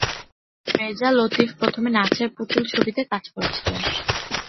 রেজা লতিফ প্রথমে নাচের পুতুল ছবিতে কাজ করেছিলেন।